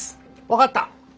分かった。